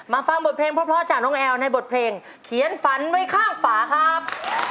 ฟังบทเพลงเพราะจากน้องแอลในบทเพลงเขียนฝันไว้ข้างฝาครับ